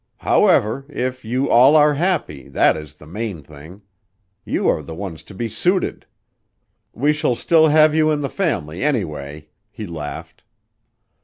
However, if you all are happy, that is the main thing; you are the ones to be suited. We shall still have you in the family, anyway." He laughed.